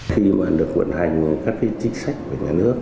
khi mà được vận hành các cái chính sách của nhà nước